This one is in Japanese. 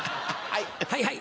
はい！